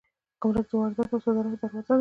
ګمرک د وارداتو او صادراتو دروازه ده